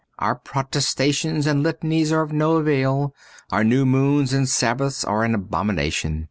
Our prostrations and litanies are of no avail ; our nev7 moons and sabbaths are an abomination.